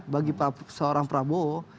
bagi seorang prabowo